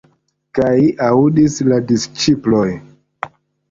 Kaj aŭdis la disĉiploj.